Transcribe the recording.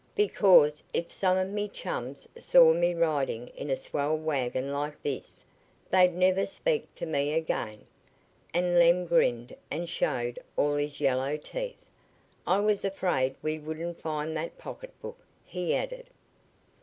"Because if some of me chums saw me ridin' in a swell wagon like this they'd never speak to me again," and Lem grinned and showed all his yellow teeth. "I was afraid we wouldn't find that pocketbook," he added.